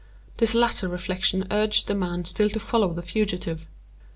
This latter reflection urged the man still to follow the fugitive.